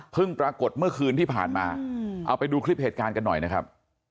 ปรากฏเมื่อคืนที่ผ่านมาเอาไปดูคลิปเหตุการณ์กันหน่อยนะครับ